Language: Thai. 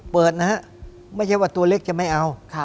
เปิดนะฮะไม่ใช่ว่าตัวเล็กจะไม่เอา